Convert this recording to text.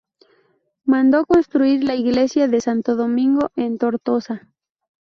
Mandó construir la iglesia de Santo Domingo en Tortosa.